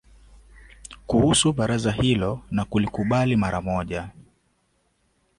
kuhusu baraza hilo na kulikubali mara moja